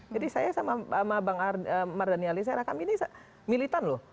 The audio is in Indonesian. jadi saya sama bang mardhani alisera kami ini militan loh